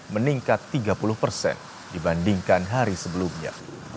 meningkat tiga puluh persen dibandingkan hari sebelumnya